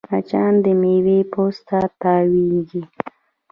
مچان د میوې پوست ته تاوېږي